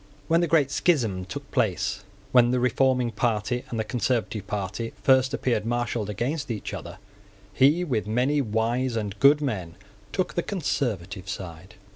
When the great schism took place, when the reforming party and the conservative party first appeared marshalled against each other, he, with many wise and good men, took the conservative side.